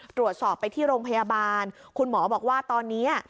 ตรวจสอบไปที่โรงพยาบาลคุณหมอบอกว่าตอนนี้